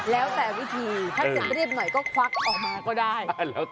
แล้วแต่วิธีถ้าจะรีบหน่อยก็ควักออกมาก็ได้